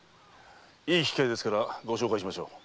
いい機会ですからご紹介しましょう。